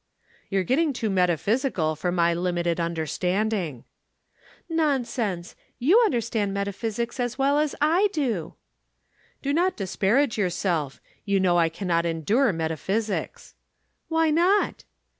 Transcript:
"You're getting too metaphysical for my limited understanding." "Nonsense, you understand metaphysics as well as I do." "Do not disparage yourself. You know I cannot endure metaphysics." "Why not?"